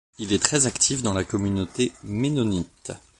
Il est très actif dans la communauté Mennonite.